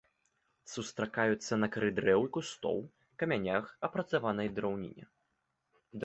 Сустракаюцца на кары дрэў і кустоў, камянях, апрацаванай драўніне.